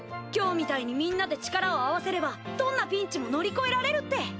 今日みたいにみんなで力を合わせればどんなピンチも乗り越えられるって。